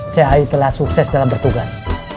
cai telah sukses dalam bertugas